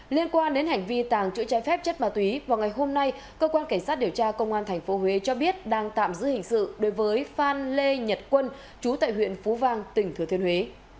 liên quan đến hành vi tàng trữ trái phép chất ma túy vào ngày hôm nay cơ quan cảnh sát điều tra công an tp huế cho biết đang tạm giữ hình sự đối với phan lê nhật quân chú tại huyện phú vang tỉnh thừa thiên huế